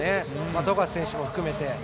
富樫選手も含めて。